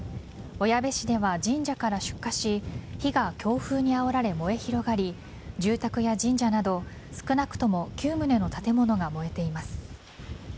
小矢部市では神社から出火し火が強風にあおられ燃え広がり住宅や神社など少なくとも９棟の建物が燃えています。